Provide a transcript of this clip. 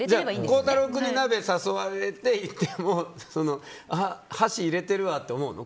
孝太郎君に鍋誘われて行っても箸、入れてるわって思うの？